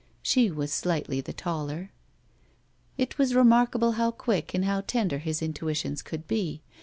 She was slightly the taller. It was remarkable how quick and how tender his intuitions could be.